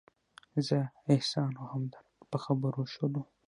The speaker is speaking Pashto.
زه، احسان او همدرد په خبرو شولو.